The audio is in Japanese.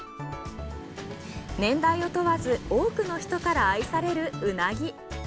年代を問わず多くの人から愛されるウナギ。